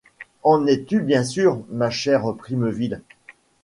En es-tu bien sûre, ma chère Primeville ?